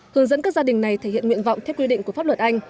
hướng dẫn các gia đình này thể hiện nguyện vọng theo quy định của pháp luật anh